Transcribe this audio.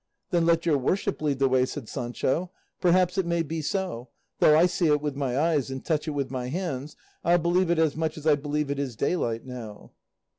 "Then let your worship lead the way," said Sancho, "perhaps it may be so; though I see it with my eyes and touch it with my hands, I'll believe it as much as I believe it is daylight now."